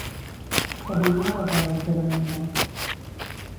Què demanava per a la seva amiga?